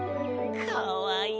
かわいい。